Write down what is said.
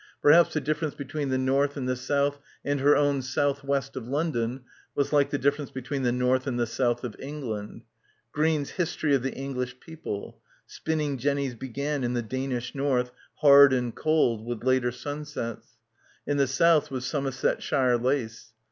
Perhaps the differ ence between the north and the south and her own south west of London was like the difference be tween the north and the south of England. ... Green's "History of the English People" ... spinning jennys began in the Danish north, hard and cold, with later sunsets. In the south was Somersetshire lace.